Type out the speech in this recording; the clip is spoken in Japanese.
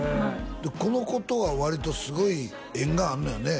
この子とは割とすごい縁があんのよね？